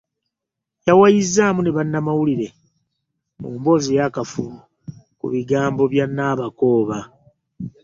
Yawayizzaamu ne bannamawulire mu mboozi eya kafubo ku bigambo bya Nabakooba.